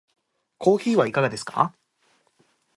コーヒーはいかがですか？